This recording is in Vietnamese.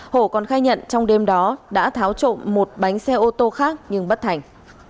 hổ còn khai nhận trong đêm đó đã tháo trộm một bánh xe ô tô khác nhưng bất thành